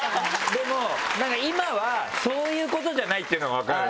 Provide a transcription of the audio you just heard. でも今はそういうことじゃないっていうのが分かるよね。